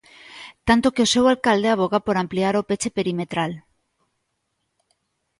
Tanto que o seu alcalde avoga por ampliar o peche perimetral.